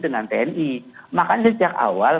dengan tni makanya sejak awal